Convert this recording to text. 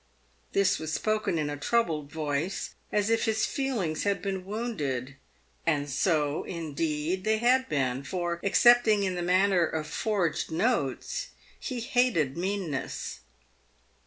This was spoken in a troubled voice, as if his feelings had been wounded — and so, indeed, they had been, for, excepting in the matter of forged notes, he hated meanness.